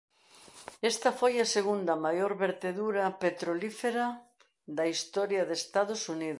Esta foi a segunda maior vertedura petrolífera da historia de Estados Unidos.